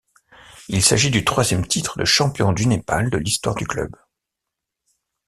Il s'agit du troisième titre de champion du Népal de l'histoire du club.